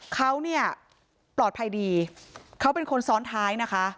เขาเนี่ยปลอดภัยดีเขาเป็นคนซ้อนท้ายนะคะ